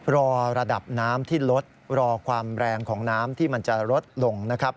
ระดับน้ำที่ลดรอความแรงของน้ำที่มันจะลดลงนะครับ